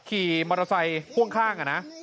ขี่มอเตอร์ไซค์พ่วงข้างอ่ะนะ